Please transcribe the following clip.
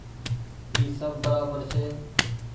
اي سب برابر ڇي۔